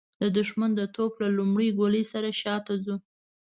د د ښمن د توپ له لومړۍ ګولۍ سره شاته ګرځو.